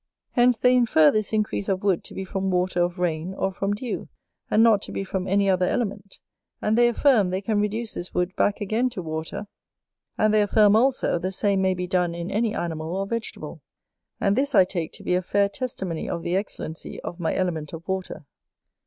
Hence they infer this increase of wood to be from water of rain, or from dew, and not to be from any other element; and they affirm, they can reduce this wood back again to water; and they affirm also, the same may be done in any animal or vegetable. And this I take to be a fair testimony of the excellency of my element of water.